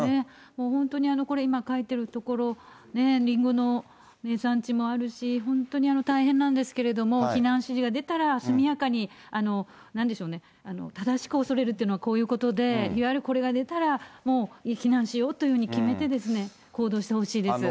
もう本当にこれ、今書いてる所ね、リンゴの名産地もあるし、本当に大変なんですけれども、避難指示が出たら速やかに、なんでしょうね、正しく恐れるというのはこういうことで、いわゆるこれが出たらもう、避難しようというふうに決めて、行動してほしいです。